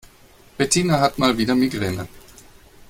Bettina hat mal wieder Migräne.